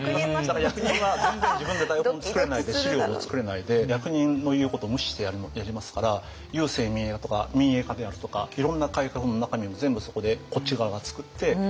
だから役人は全然自分で台本作れないで資料も作れないで役人の言うことを無視してやりますから郵政民営化であるとかいろんな改革の中身も全部そこでこっち側が作ってじゃあこれやっちゃおう。